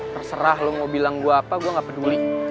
terserah lo mau bilang gue apa gue nggak peduli